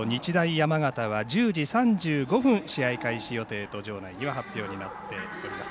山形は１０時３５分試合開始予定と場内には発表になっております。